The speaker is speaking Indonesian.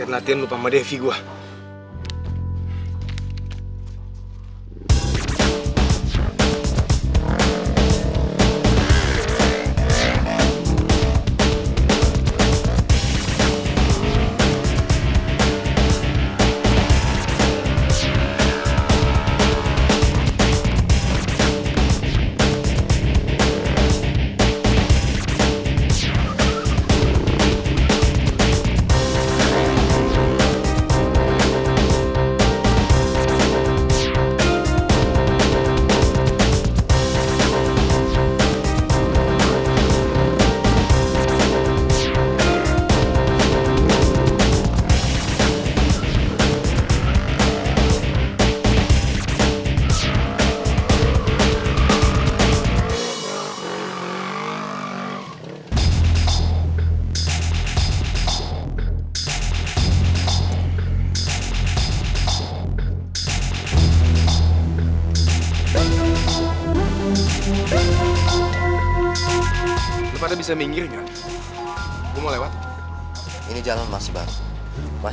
itu dari mana